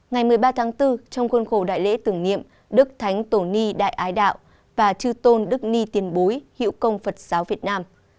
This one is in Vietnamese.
ngày một mươi ba tháng bốn trong khuôn khổ đại lễ tưởng niệm đức thánh tổ ni đại ái đạo và chư tôn đức niền bối hiệu công phật giáo việt nam